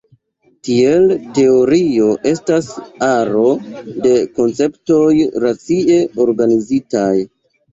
Tiel teorio estas aro de konceptoj racie organizitaj.